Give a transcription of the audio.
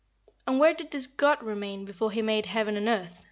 "And where did this god remain before he made heaven and earth?"